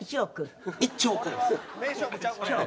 １億？